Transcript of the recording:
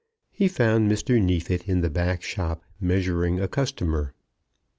He found Mr. Neefit in the back shop, measuring a customer.